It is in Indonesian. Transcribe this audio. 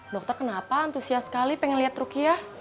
dokter kenapa antusias sekali pengen lihat rukiah